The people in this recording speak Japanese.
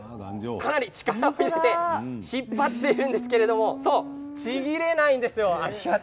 かなり力を入れて引っ張っているんですけどちぎれないですよ。